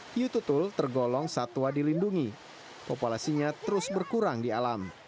hiu tutul tergolong satwa dilindungi populasinya terus berkurang di alam